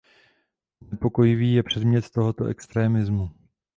Znepokojivý je předmět tohoto extremismu.